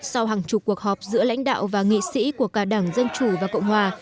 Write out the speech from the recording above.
sau hàng chục cuộc họp giữa lãnh đạo và nghị sĩ của cả đảng dân chủ và cộng hòa